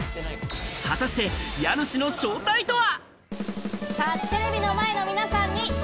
果たして家主の正体とは？